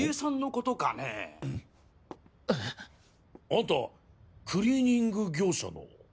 アンタクリーニング業者の。